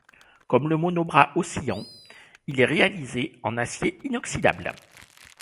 Comme le monobras oscillant, il est réalisé en acier inoxydable.